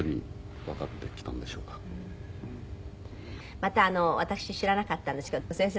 また私知らなかったんですけど先生